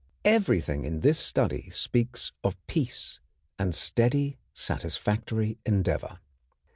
Everything in this study speaks of peace and steady, satisfactory endeavor.